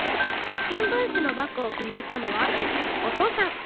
新聞紙のバッグを気に入ったのはお父さん。